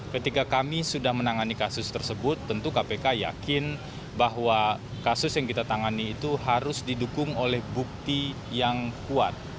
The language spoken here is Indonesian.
ketika kami sudah menangani kasus tersebut tentu kpk yakin bahwa kasus yang kita tangani itu harus didukung oleh bukti yang kuat